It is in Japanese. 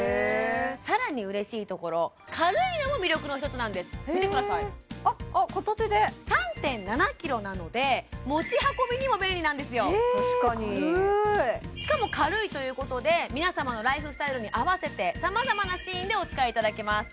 更に嬉しいところ軽いのも魅力の一つなんです見てくださいあっあっ片手で３．７ｋｇなので持ち運びにも便利なんですよへ軽ーい確かにしかも軽いということで皆様のライフスタイルに合わせて様々なシーンでお使いいただけます